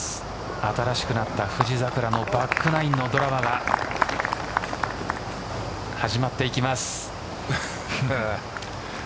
新しくなった富士桜のバックナインのドラマが始まっていきます。